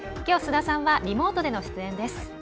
きょう、須田さんはリモートでの出演です。